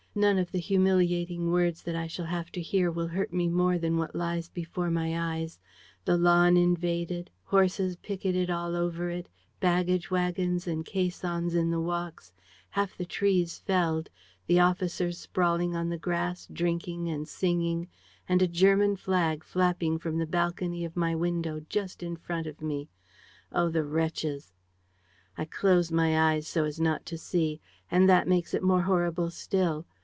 None of the humiliating words that I shall have to hear will hurt me more than what lies before my eyes: the lawn invaded, horses picketed all over it, baggage wagons and caissons in the walks, half the trees felled, officers sprawling on the grass, drinking and singing, and a German flag flapping from the balcony of my window, just in front of me. Oh, the wretches! "I close my eyes so as not to see. And that makes it more horrible still.